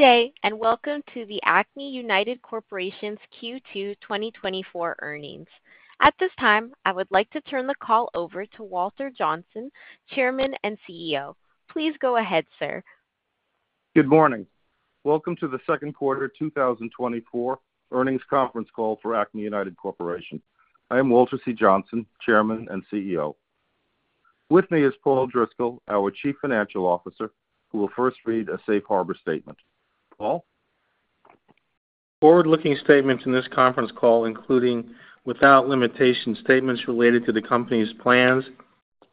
Good day, and welcome to the Acme United Corporation's Q2 2024 earnings. At this time, I would like to turn the call over to Walter Johnson, Chairman and CEO. Please go ahead, sir. Good morning. Welcome to the second quarter 2024 earnings conference call for Acme United Corporation. I am Walter C. Johnsen, Chairman and CEO. With me is Paul Driscoll, our Chief Financial Officer, who will first read a safe harbor statement. Paul? Forward-looking statements in this conference call, including, without limitation, statements related to the company's plans,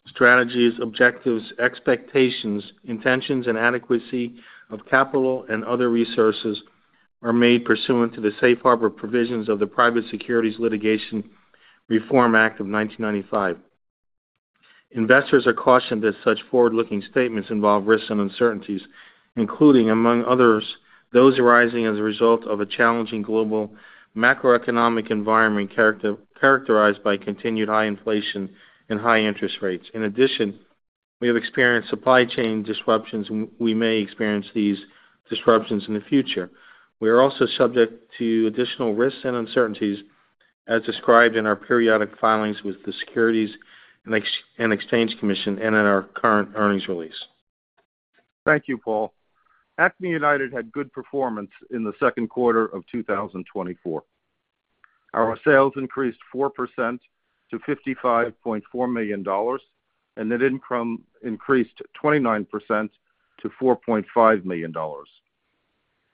strategies, objectives, expectations, intentions, and adequacy of capital and other resources, are made pursuant to the Safe Harbor Provisions of the Private Securities Litigation Reform Act of 1995. Investors are cautioned that such forward-looking statements involve risks and uncertainties, including, among others, those arising as a result of a challenging global macroeconomic environment characterized by continued high inflation and high interest rates. In addition, we have experienced supply chain disruptions, and we may experience these disruptions in the future. We are also subject to additional risks and uncertainties as described in our periodic filings with the Securities and Exchange Commission and in our current earnings release. Thank you, Paul. Acme United had good performance in the second quarter of 2024. Our sales increased 4% to $55.4 million, and net income increased 29% to $4.5 million.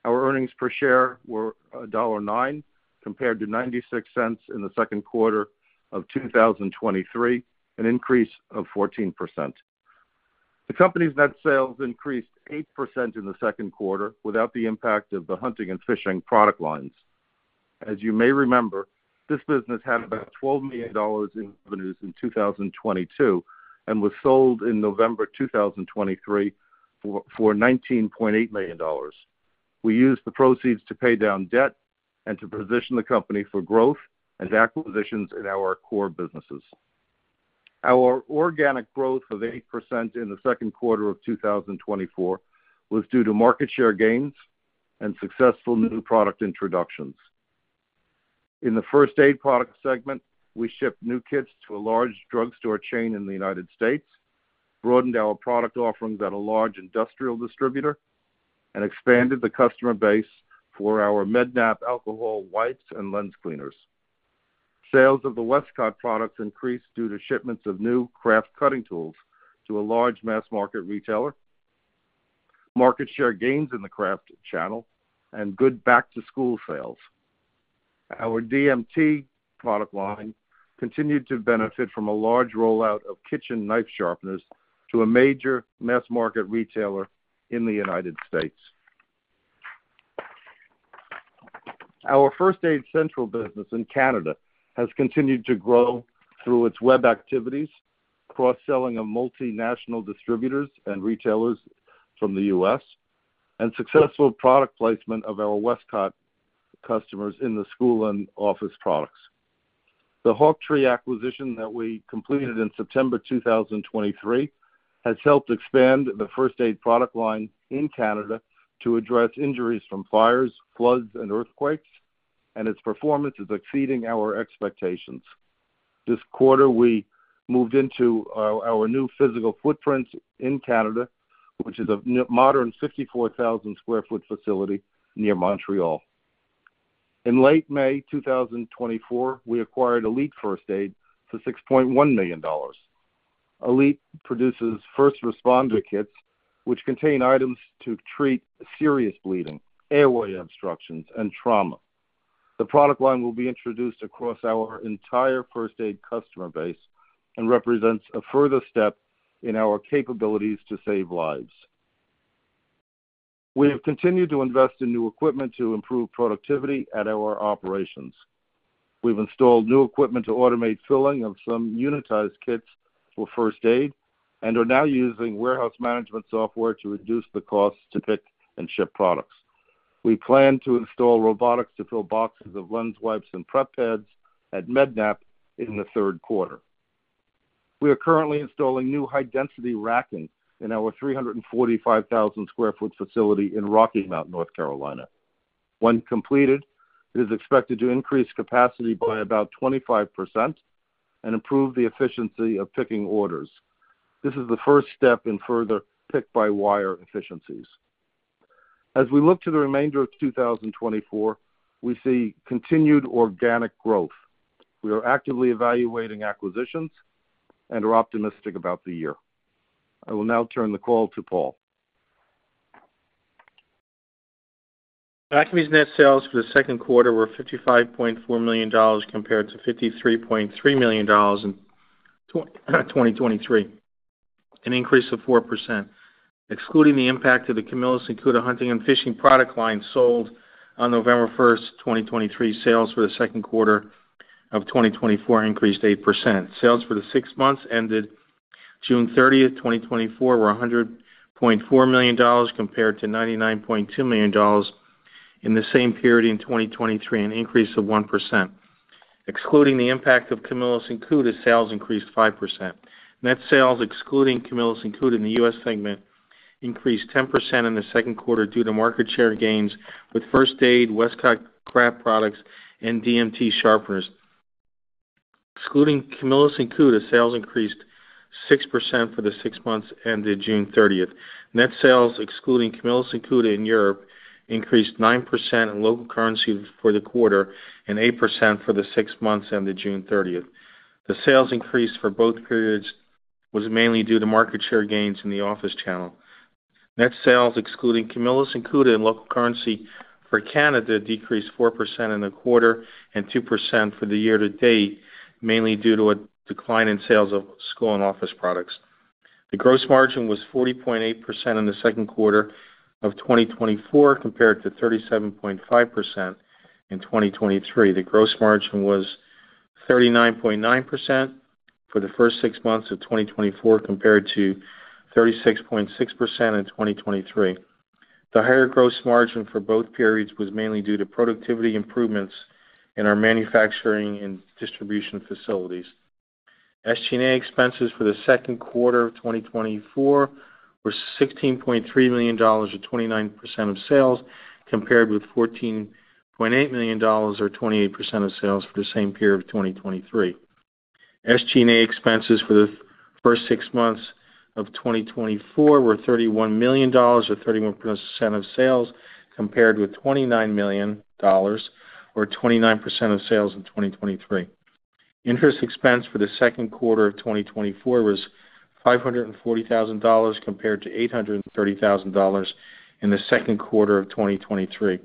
Our earnings per share were $1.09, compared to $0.96 in the second quarter of 2023, an increase of 14%. The company's net sales increased 8% in the second quarter without the impact of the hunting and fishing product lines. As you may remember, this business had about $12 million in revenues in 2022 and was sold in November 2023 for nineteen point eight million dollars. We used the proceeds to pay down debt and to position the company for growth and acquisitions in our core businesses. Our organic growth of 8% in the second quarter of 2024 was due to market share gains and successful new product introductions. In the first aid product segment, we shipped new kits to a large drugstore chain in the United States, broadened our product offerings at a large industrial distributor, and expanded the customer base for our Med-Nap alcohol wipes and lens cleaners. Sales of the Westcott products increased due to shipments of new craft cutting tools to a large mass market retailer, market share gains in the craft channel, and good back-to-school sales. Our DMT product line continued to benefit from a large rollout of kitchen knife sharpeners to a major mass market retailer in the United States. Our First Aid Central business in Canada has continued to grow through its web activities, cross-selling of multinational distributors and retailers from the U.S., and successful product placement of our Westcott products in the school and office products. The Hawktree acquisition that we completed in September 2023, has helped expand the first aid product line in Canada to address injuries from fires, floods, and earthquakes, and its performance is exceeding our expectations. This quarter, we moved into our new physical footprint in Canada, which is a modern 64,000 sq ft facility near Montreal. In late May 2024, we acquired Elite First Aid for $6.1 million. Elite produces first responder kits, which contain items to treat serious bleeding, airway obstructions, and trauma. The product line will be introduced across our entire first aid customer base and represents a further step in our capabilities to save lives. We have continued to invest in new equipment to improve productivity at our operations. We've installed new equipment to automate filling of some unitized kits for first aid and are now using warehouse management software to reduce the costs to pick and ship products. We plan to install robotics to fill boxes of lens wipes and prep pads at Med-Nap in the third quarter. We are currently installing new high-density racking in our 345,000 sq ft facility in Rocky Mount, North Carolina. When completed, it is expected to increase capacity by about 25% and improve the efficiency of picking orders. This is the first step in further pick-by-wave efficiencies. As we look to the remainder of 2024, we see continued organic growth. We are actively evaluating acquisitions and are optimistic about the year. I will now turn the call to Paul. Acme's net sales for the second quarter were $55.4 million compared to $53.3 million in 2023, an increase of 4%. Excluding the impact of the Camillus and Cuda hunting and fishing product line sold on November 1, 2023, sales for the second quarter of 2024 increased 8%. Sales for the six months ended June 30, 2024, were $100.4 million compared to $99.2 million in the same period in 2023, an increase of 1%.... excluding the impact of Camillus and Cuda, sales increased 5%. Net sales, excluding Camillus and Cuda in the U.S. segment, increased 10% in the second quarter due to market share gains with first aid, Westcott craft products, and DMT sharpeners. Excluding Camillus and Cuda, sales increased 6% for the six months ended June 30. Net sales, excluding Camillus and Cuda in Europe, increased 9% in local currency for the quarter and 8% for the six months ended June 30. The sales increase for both periods was mainly due to market share gains in the office channel. Net sales, excluding Camillus and Cuda in local currency for Canada, decreased 4% in the quarter and 2% for the year-to-date, mainly due to a decline in sales of school and office products. The gross margin was 40.8% in the second quarter of 2024, compared to 37.5% in 2023. The gross margin was 39.9% for the first six months of 2024, compared to 36.6% in 2023. The higher gross margin for both periods was mainly due to productivity improvements in our manufacturing and distribution facilities. SG&A expenses for the second quarter of 2024 were $16.3 million, or 29% of sales, compared with $14.8 million, or 28% of sales, for the same period of 2023. SG&A expenses for the first six months of 2024 were $31 million, or 31% of sales, compared with $29 million, or 29% of sales, in 2023. Interest expense for the second quarter of 2024 was $540,000, compared to $830,000 in the second quarter of 2023.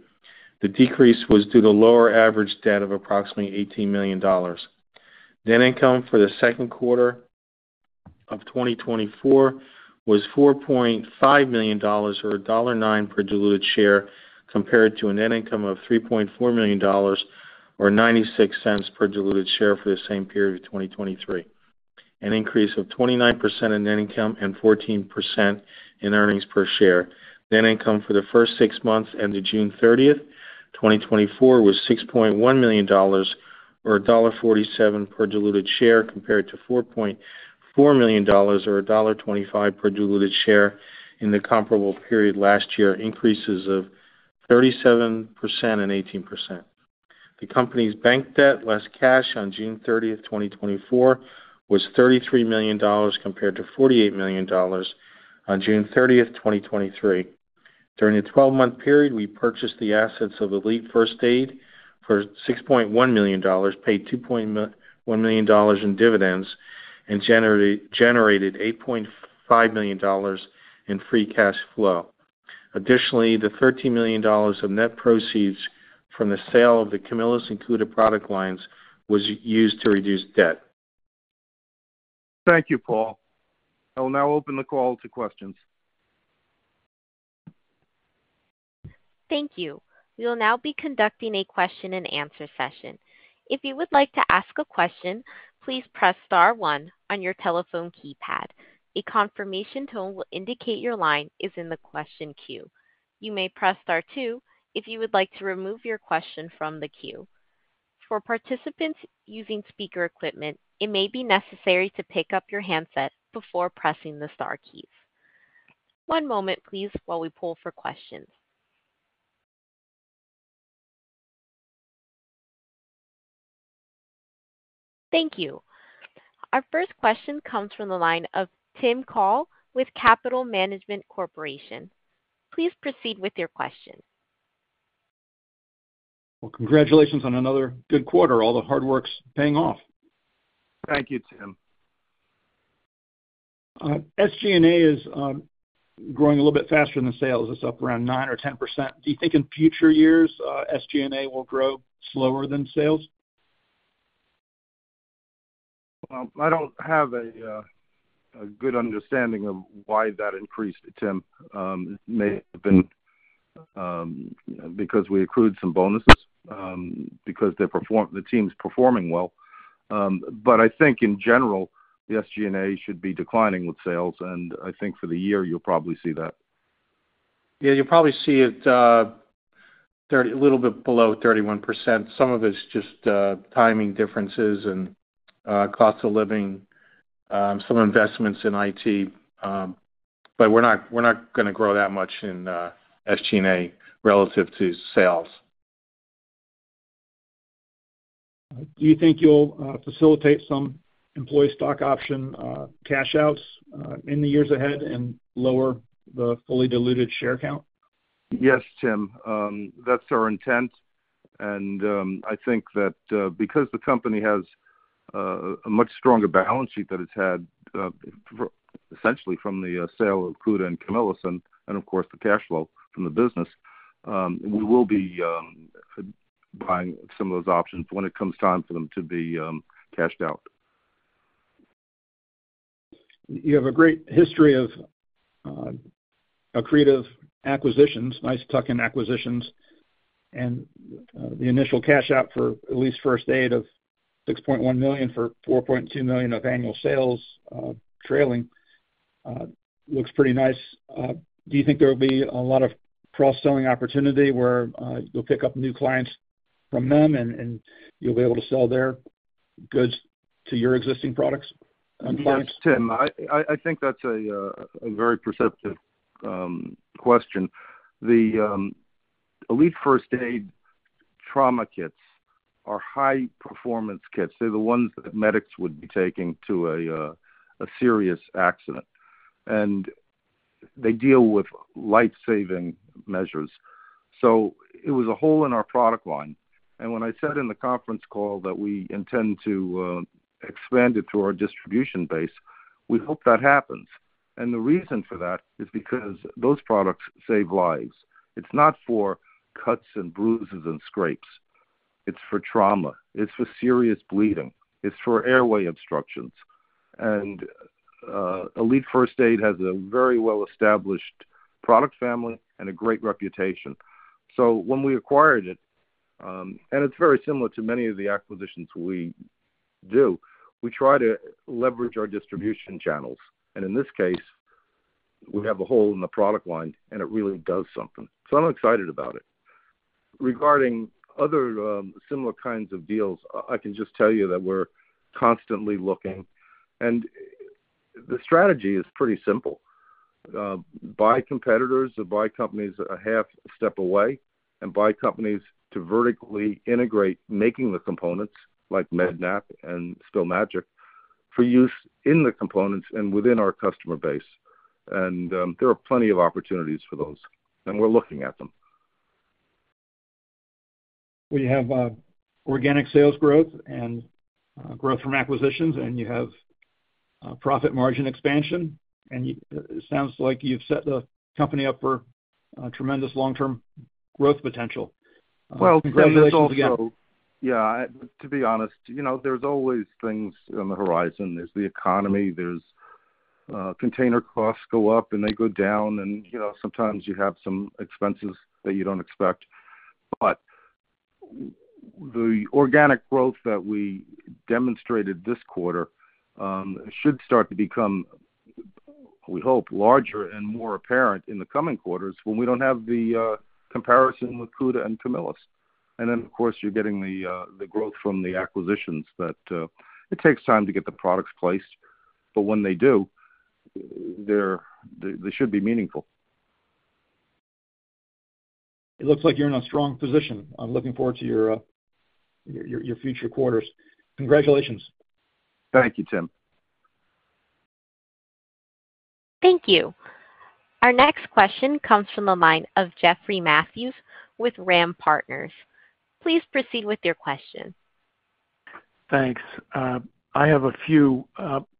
The decrease was due to lower average debt of approximately $18 million. Net income for the second quarter of 2024 was $4.5 million, or $1.09 per diluted share, compared to a net income of $3.4 million, or $0.96 per diluted share for the same period of 2023, an increase of 29% in net income and 14% in earnings per share. Net income for the first six months ended June 30, 2024, was $6.1 million, or $1.47 per diluted share, compared to $4.4 million, or $1.25 per diluted share in the comparable period last year, increases of 37% and 18%. The company's bank debt, less cash on June 30, 2024, was $33 million, compared to $48 million on June 30, 2023. During the twelve-month period, we purchased the assets of Elite First Aid for $6.1 million, paid $2.1 million in dividends, and generated $8.5 million in free cash flow. Additionally, the $13 million of net proceeds from the sale of the Camillus and Cuda product lines was used to reduce debt. Thank you, Paul. I will now open the call to questions. Thank you. We will now be conducting a question-and-answer session. If you would like to ask a question, please press star one on your telephone keypad. A confirmation tone will indicate your line is in the question queue. You may press star two if you would like to remove your question from the queue. For participants using speaker equipment, it may be necessary to pick up your handset before pressing the star keys. One moment, please, while we pull for questions. Thank you. Our first question comes from the line of Tim Call with Capital Management Corporation. Please proceed with your question. Well, congratulations on another good quarter. All the hard work's paying off. Thank you, Tim. SG&A is growing a little bit faster than the sales. It's up around 9 or 10%. Do you think in future years, SG&A will grow slower than sales? Well, I don't have a good understanding of why that increased, Tim. It may have been because we accrued some bonuses because the team's performing well. But I think in general, the SG&A should be declining with sales, and I think for the year, you'll probably see that. Yeah, you'll probably see it a little bit below 31%. Some of it's just timing differences and cost of living, some investments in IT. But we're not, we're not gonna grow that much in SG&A relative to sales. Do you think you'll facilitate some employee stock option cash outs in the years ahead and lower the fully diluted share count? Yes, Tim. That's our intent. And, I think that, because the company has, a much stronger balance sheet than it's had, essentially from the, sale of Cuda and Camillus, and, of course, the cash flow from the business, we will be, buying some of those options when it comes time for them to be, cashed out. You have a great history of accretive acquisitions, nice tuck-in acquisitions, and the initial cash out for Elite First Aid of $6.1 million for $4.2 million of annual sales, trailing, looks pretty nice. Do you think there will be a lot of cross-selling opportunity where you'll pick up new clients from them, and, and you'll be able to sell their goods to your existing products and clients? Thanks, Tim. I think that's a very perceptive question. The Elite First Aid trauma kits are high-performance kits. They're the ones that medics would be taking to a serious accident, and they deal with life-saving measures. So it was a hole in our product line. And when I said in the conference call that we intend to expand it to our distribution base, we hope that happens. And the reason for that is because those products save lives. It's not for cuts and bruises and scrapes. It's for trauma, it's for serious bleeding, it's for airway obstructions. And Elite First Aid has a very well-established product family and a great reputation. So when we acquired it, and it's very similar to many of the acquisitions we do, we try to leverage our distribution channels, and in this case, we have a hole in the product line, and it really does something. So I'm excited about it. Regarding other similar kinds of deals, I can just tell you that we're constantly looking, and the strategy is pretty simple: buy competitors or buy companies that are half a step away and buy companies to vertically integrate, making the components like Med-Nap and Spill Magic, for use in the components and within our customer base. And there are plenty of opportunities for those, and we're looking at them. We have organic sales growth and growth from acquisitions, and you have profit margin expansion, and it sounds like you've set the company up for a tremendous long-term growth potential. Well, yeah, to be honest, you know, there's always things on the horizon. There's the economy, there's container costs go up, and they go down. And, you know, sometimes you have some expenses that you don't expect. But the organic growth that we demonstrated this quarter should start to become, we hope, larger and more apparent in the coming quarters when we don't have the comparison with Cuda and Camillus. And then, of course, you're getting the growth from the acquisitions that it takes time to get the products placed, but when they do, they should be meaningful. It looks like you're in a strong position. I'm looking forward to your future quarters. Congratulations. Thank you, Tim. Thank you. Our next question comes from the line of Jeffrey Matthews with RAM Partners. Please proceed with your question. Thanks. I have a few.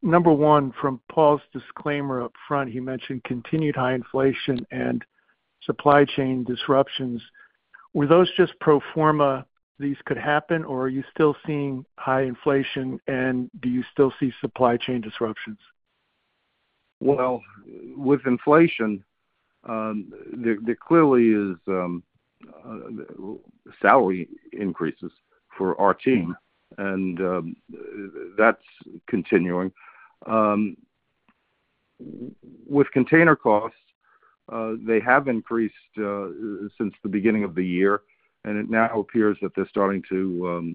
Number one, from Paul's disclaimer up front, he mentioned continued high inflation and supply chain disruptions. Were those just pro forma, these could happen, or are you still seeing high inflation, and do you still see supply chain disruptions? Well, with inflation, there clearly is salary increases for our team, and that's continuing. With container costs, they have increased since the beginning of the year, and it now appears that they're starting to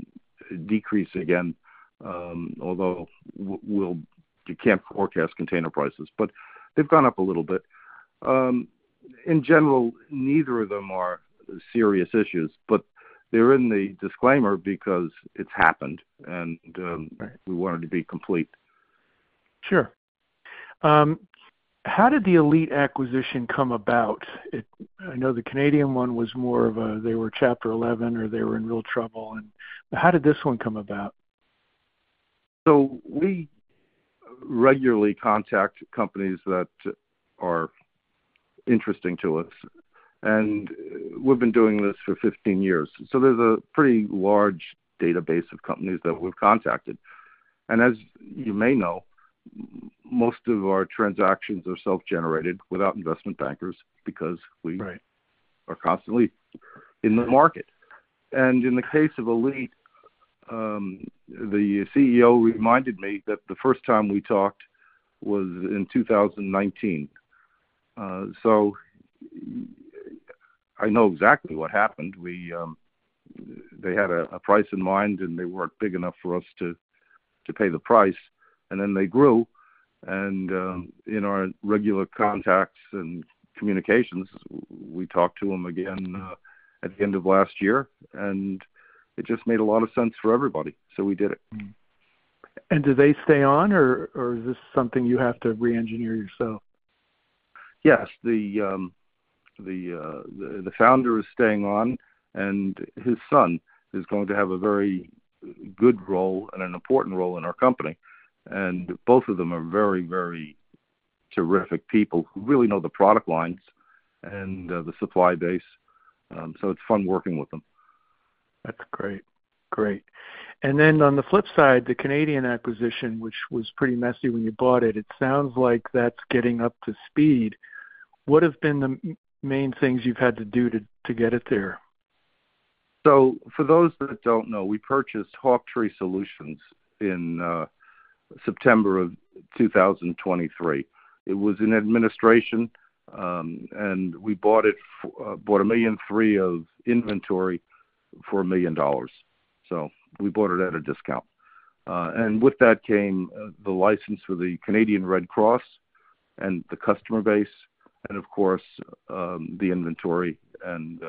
decrease again, although you can't forecast container prices, but they've gone up a little bit. In general, neither of them are serious issues, but they're in the disclaimer because it's happened and we wanted to be complete. Sure. How did the Elite acquisition come about? I know the Canadian one was more of a, they were Chapter 11, or they were in real trouble. How did this one come about? So we regularly contact companies that are interesting to us, and we've been doing this for 15 years. So there's a pretty large database of companies that we've contacted. And as you may know, most of our transactions are self-generated without investment bankers because we- Right... are constantly in the market. In the case of Elite, the CEO reminded me that the first time we talked was in 2019. So I know exactly what happened. They had a price in mind, and they weren't big enough for us to pay the price, and then they grew. In our regular contacts and communications, we talked to them again at the end of last year, and it just made a lot of sense for everybody, so we did it. Do they stay on, or, or is this something you have to reengineer yourself? Yes. The founder is staying on, and his son is going to have a very good role and an important role in our company. And both of them are very, very terrific people who really know the product lines and the supply base, so it's fun working with them. That's great. Great. And then on the flip side, the Canadian acquisition, which was pretty messy when you bought it, it sounds like that's getting up to speed. What have been the main things you've had to do to get it there?... So for those that don't know, we purchased Hawktree Solutions in September 2023. It was in administration, and we bought it for $1.3 million of inventory for $1 million. So we bought it at a discount. And with that came the license for the Canadian Red Cross and the customer base and of course, the inventory and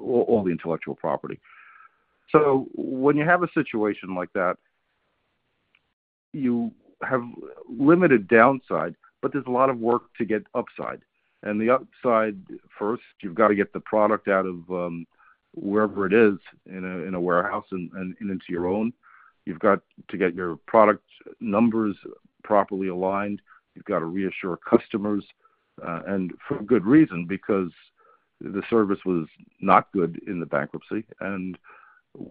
all the intellectual property. So when you have a situation like that, you have limited downside, but there's a lot of work to get upside. And the upside, first, you've got to get the product out of wherever it is in a warehouse and into your own. You've got to get your product numbers properly aligned. You've got to reassure customers, and for good reason, because the service was not good in the bankruptcy, and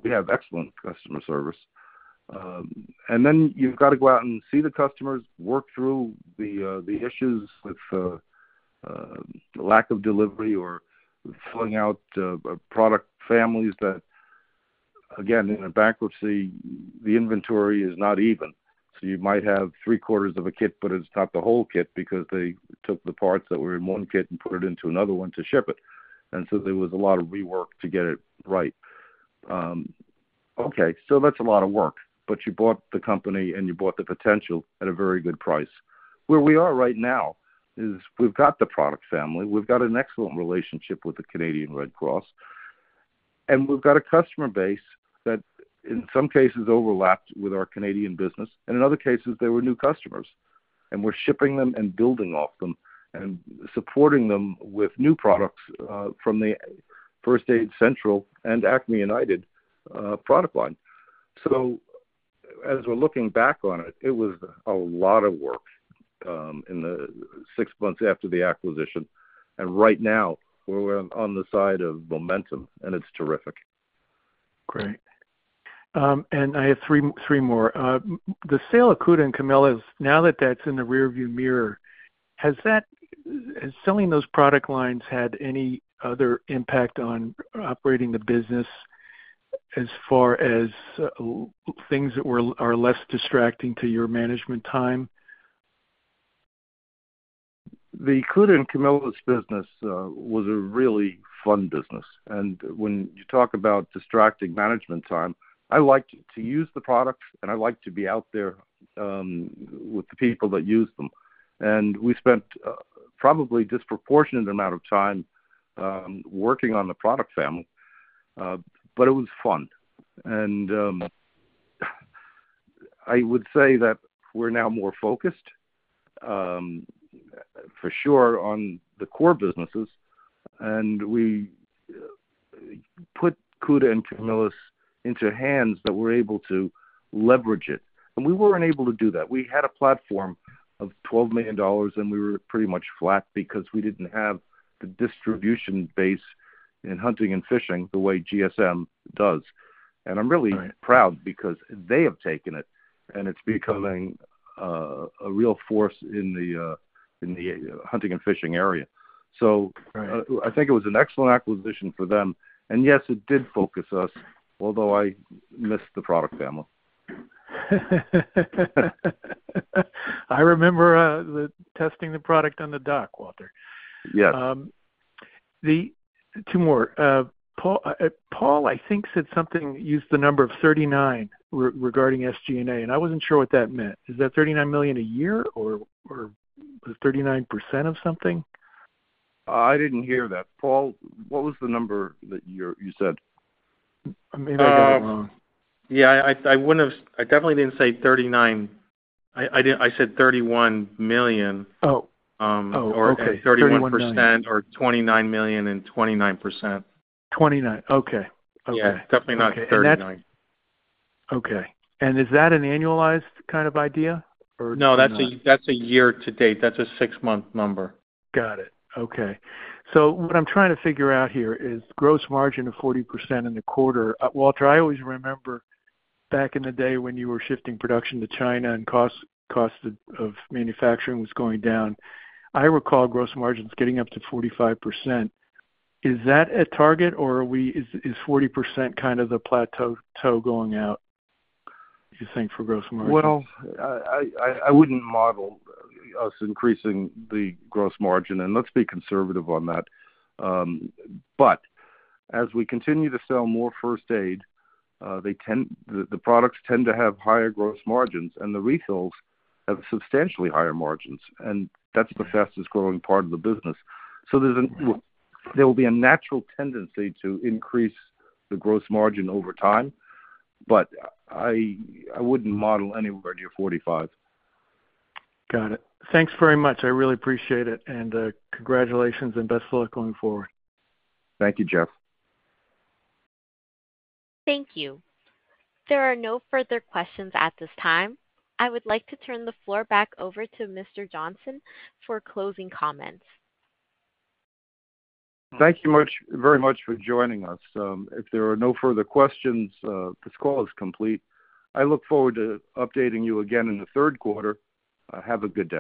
we have excellent customer service. And then you've got to go out and see the customers, work through the issues with lack of delivery or filling out product families that again, in a bankruptcy, the inventory is not even. So you might have three-quarters of a kit, but it's not the whole kit, because they took the parts that were in one kit and put it into another one to ship it. And so there was a lot of rework to get it right. Okay, so that's a lot of work, but you bought the company, and you bought the potential at a very good price. Where we are right now is we've got the product family, we've got an excellent relationship with the Canadian Red Cross, and we've got a customer base that in some cases overlapped with our Canadian business, and in other cases, they were new customers. We're shipping them and building off them and supporting them with new products from the First Aid Central and Acme United product line. As we're looking back on it, it was a lot of work in the six months after the acquisition, and right now we're on the side of momentum, and it's terrific. Great. And I have three more. The sale of Cuda and Camillus, now that that's in the rearview mirror, has selling those product lines had any other impact on operating the business as far as things that are less distracting to your management time? The Cuda and Camillus business was a really fun business, and when you talk about distracting management time, I like to use the products, and I like to be out there with the people that use them. And we spent probably a disproportionate amount of time working on the product family, but it was fun. And I would say that we're now more focused for sure on the core businesses, and we put Cuda and Camillus into hands that were able to leverage it, and we weren't able to do that. We had a platform of $12 million, and we were pretty much flat because we didn't have the distribution base in hunting and fishing the way GSM does. I'm really proud because they have taken it, and it's becoming a real force in the hunting and fishing area. Right. I think it was an excellent acquisition for them. Yes, it did focus us, although I miss the product family. I remember testing the product on the dock, Walter. Yes. Two more. Paul, Paul, I think, said something, used the number of 39 regarding SG&A, and I wasn't sure what that meant. Is that $39 million a year or 39% of something? I didn't hear that. Paul, what was the number that you said? Maybe I got it wrong. Yeah, I wouldn't have—I definitely didn't say 39. I did. I said $31 million. Oh, oh, okay. 31% or $29 million and 29%. 29. Okay. Okay. Yeah, definitely not 39. Okay. And is that an annualized kind of idea, or? No, that's a year to date. That's a six-month number. Got it. Okay. So what I'm trying to figure out here is gross margin of 40% in the quarter. Walter, I always remember back in the day when you were shifting production to China and cost of manufacturing was going down. I recall gross margins getting up to 45%. Is that a target or are we... Is 40% kind of the plateau going out, you think, for gross margins? Well, I wouldn't model us increasing the gross margin, and let's be conservative on that. But as we continue to sell more first aid, they tend... The products tend to have higher gross margins, and the refills have substantially higher margins, and that's the fastest growing part of the business. So there will be a natural tendency to increase the gross margin over time, but I wouldn't model anywhere near 45. Got it. Thanks very much. I really appreciate it, and congratulations and best of luck going forward. Thank you, Jeff. Thank you. There are no further questions at this time. I would like to turn the floor back over to Mr. Johnson for closing comments. Thank you much, very much for joining us. If there are no further questions, this call is complete. I look forward to updating you again in the third quarter. Have a good day.